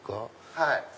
はい。